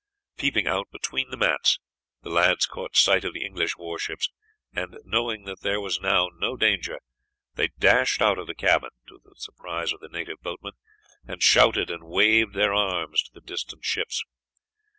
Peeping out between the mats, the lads caught sight of the English warships, and, knowing that there was now no danger, they dashed out of the cabin, to the surprise of the native boatmen, and shouted and waved their arms to the distant ships.